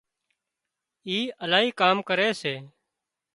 اِي الاهي ڪام ڪري سي